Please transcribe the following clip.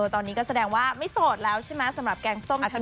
ตอนนี้ก็แสดงว่าไม่โสดแล้วใช่ไหมสำหรับแกงส้ม